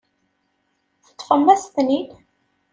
Teṭṭfemt-as-ten-id.